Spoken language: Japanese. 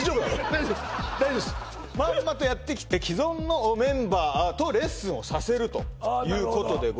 大丈夫大丈夫っすまんまとやってきて既存のメンバーとレッスンをさせるということでございます